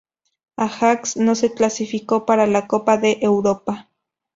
Ajax no se clasificó para la Copa de Europa.